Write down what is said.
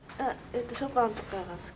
ショパンとかが好き。